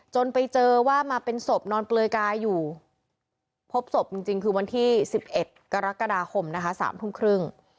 ไปเจอว่ามาเป็นศพนอนเปลือยกายอยู่พบศพจริงคือวันที่๑๑กรกฎาคมนะคะ๓ทุ่มครึ่ง